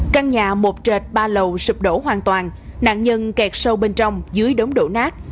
căn nhà một trệt ba lầu sụp đổ hoàn toàn nạn nhân kẹt sâu bên trong dưới đống đổ nát